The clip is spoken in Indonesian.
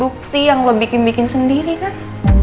bukti yang lo bikin bikin sendiri kan